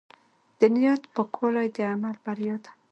د نیت پاکوالی د عمل بریا ده.